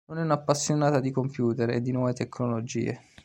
Non è una appassionata di computer e di nuove tecnologie.